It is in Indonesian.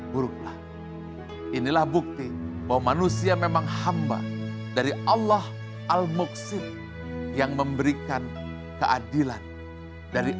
buruklah inilah bukti bahwa manusia memang hamba dari allah al muqsid yang memberikan keadilan dari